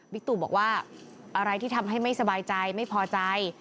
ตู่บอกว่าอะไรที่ทำให้ไม่สบายใจไม่พอใจ